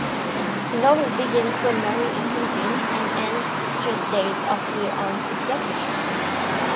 The novel begins when Mary is fourteen, and ends just days after Anne's execution.